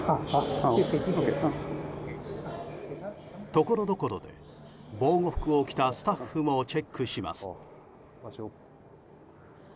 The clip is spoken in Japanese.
所々で、防護服を着たスタッフもチェックします。